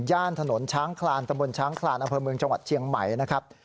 ย่านถนนช้างคลานตำบลช้างคลานอำเภอเมืองจังหวัดเชียงใหม่นะครับ